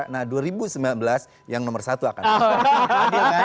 nah dua ribu sembilan belas yang nomor satu akan